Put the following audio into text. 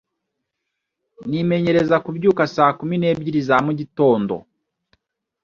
Nimenyereza kubyuka saa kumi n'ebyiri za mugitondo